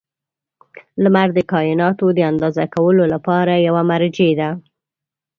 • لمر د کایناتو د اندازه کولو لپاره یوه مرجع ده.